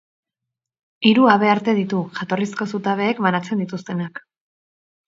Hiru habearte ditu, jatorrizko zutabeek banatzen dituztenak.